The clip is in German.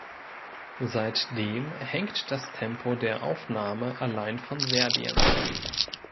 Seitdem hängt das Tempo der Aufnahme allein von Serbien ab.